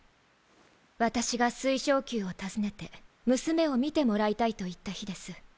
私が水晶宮を訪ねて娘を診てもらいたいと言った日です。